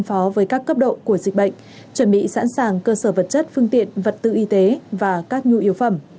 giới các cấp độ của dịch bệnh chuẩn bị sẵn sàng cơ sở vật chất phương tiện vật tự y tế và các nhu yếu phẩm